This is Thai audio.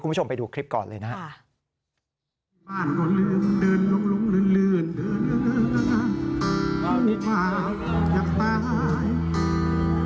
คุณผู้ชมไปดูคลิปก่อนเลยนะครับ